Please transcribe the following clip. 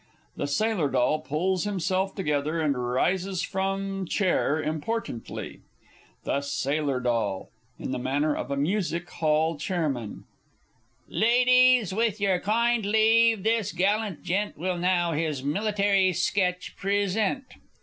[The Sailor DOLL pulls himself together, and rises from chair importantly. The Sailor D. (in the manner of a Music hall Chairman) Ladies, with your kind leave, this gallant gent Will now his military sketch present.